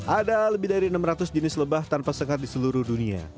ada lebih dari enam ratus jenis lebah tanpa sengat di seluruh dunia